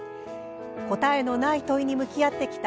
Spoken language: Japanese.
答えのない問いに向き合ってきた